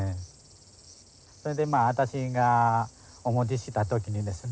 それでまあ私がお持ちした時にですね